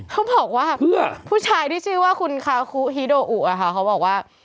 เขาบอกว่าผู้ชายที่ชื่อว่าคุณคาคุฮิโดอุค่ะเขาบอกว่า